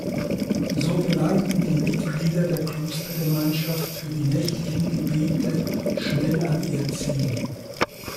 So gelangten die Mitglieder der Klostergemeinschaft für die nächtlichen Gebete schnell an ihr Ziel.